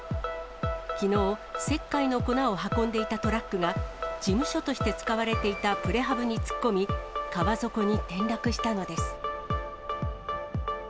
きのう、石灰の粉を運んでいたトラックが、事務所として使われていたプレハブに突っ込み、川底に転落したのです。